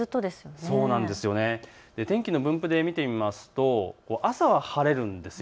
天気の分布で見てみますと朝は晴れるんです。